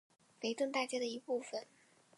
维登大街的一部分。